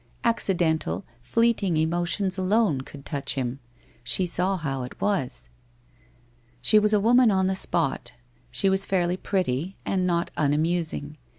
Accidental, fleeting emotions alone could touch him. She saw how it was. She was a woman on the spot. She was fairly pretty, and not unamusing.